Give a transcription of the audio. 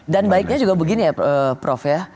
dan baiknya juga begini ya prof ya